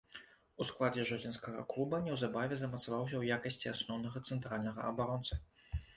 У складзе жодзінскага клуба неўзабаве замацаваўся ў якасці асноўнага цэнтральнага абаронцы.